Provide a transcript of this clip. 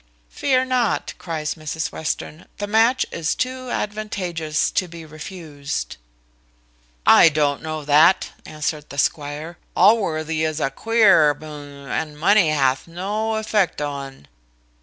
"Fear not," cries Mrs Western; "the match is too advantageous to be refused." "I don't know that," answered the squire: "Allworthy is a queer b ch, and money hath no effect o'un."